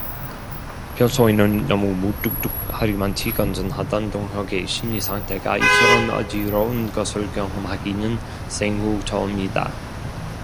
평소에는 너무 무뚝뚝하리만치 건전하던 동혁의 심리상태가 이처럼 어지러운 것을 경험 하기는 생후 처음이다.